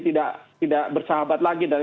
tidak bersahabat lagi